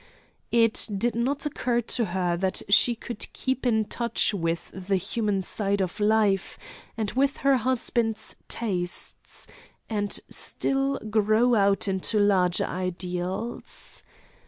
It did not occur to her that she could keep in touch with the human side of life, and with her husband's tastes, and still grow out into larger ideals.